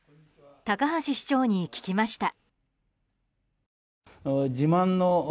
高橋市長に聞きました。